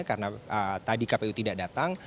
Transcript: karena tadi kpu tidak datang